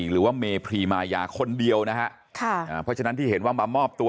หรือว่าเมพรีมายาคนเดียวนะฮะค่ะอ่าเพราะฉะนั้นที่เห็นว่ามามอบตัว